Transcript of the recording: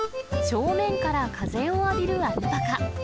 正面から風を浴びるアルパカ。